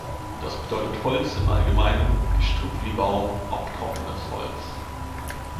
Das bedeutet Holz im Allgemeinen, Gestrüpp wie Baum, auch trockenes Holz.